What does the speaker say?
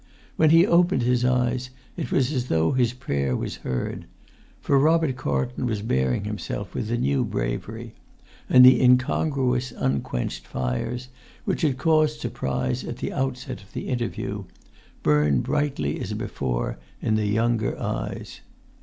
When he opened his eyes, it was as though his prayer was heard; for Robert Carlton was bearing himself with a new bravery; and the incongruous unquenched fires, which had caused surprise at the outset of the interview, burnt brightly as before in the younger eyes.